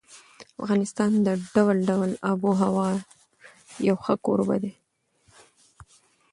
افغانستان د ډول ډول آب وهوا یو ښه کوربه دی.